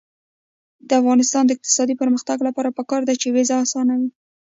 د افغانستان د اقتصادي پرمختګ لپاره پکار ده چې ویزه اسانه وي.